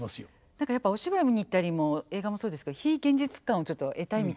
何かやっぱりお芝居見に行ったりも映画もそうですけど非現実感をちょっと得たいみたいな時あるじゃないですか。